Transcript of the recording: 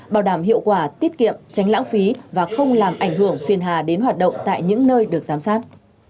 bảo đảm hiệu quả tiết kiệm tránh lãng phí và không làm ảnh hưởng phiên hà đến hoạt động tại những nơi được giám sát